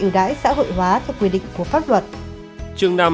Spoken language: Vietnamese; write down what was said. ưu đãi xã hội hóa theo quy định của pháp luật